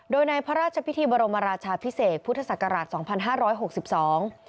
โดยในพระราชพิธีบรมราชาพิเศษพุทธศักราชสองพันห้าร้อยหกสิบสอง